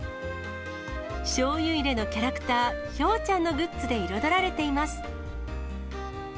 しょうゆ入れのキャラクター、ひょうちゃんのグッズで彩られています。